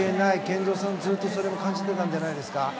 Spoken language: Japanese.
健三さんもずっとそれを感じていたんじゃないんですか。